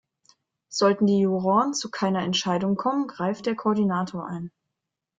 Sollten die Juroren zu keiner Entscheidung kommen, greift der Koordinator ein.